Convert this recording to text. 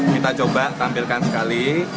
kita coba tampilkan sekali